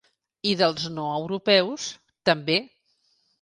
I dels no europeus, també.